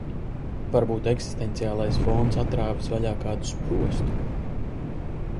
Varbūt eksistenciālais fons atrāvis vaļā kādu sprostu.